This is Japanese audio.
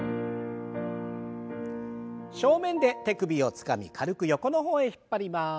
正面で手首をつかみ軽く横の方へ引っ張ります。